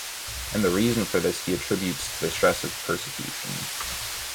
And the reason for this he attributes to the stress of persecution.